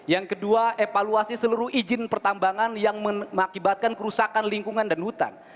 yang kedua evaluasi seluruh izin pertambangan yang mengakibatkan kerusakan lingkungan dan hutan